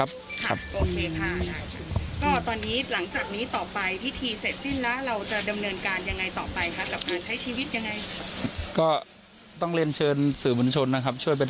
แล้วก็คิดอยากขอความร่วมมือ